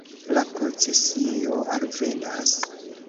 La procesio alvenas.